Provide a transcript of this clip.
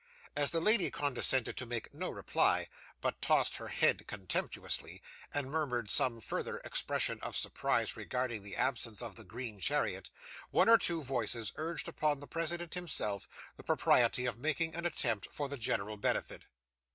As the lady condescended to make no reply, but tossed her head contemptuously, and murmured some further expression of surprise regarding the absence of the green chariot, one or two voices urged upon the president himself, the propriety of making an attempt for the general benefit.